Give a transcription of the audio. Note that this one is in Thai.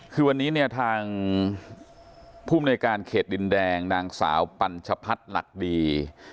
คือวันนี้เนี่ยทางภูมิในการเขตดินแดงนางสาวปัญชพัฒน์หลักดี